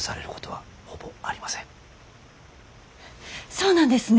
そうなんですね！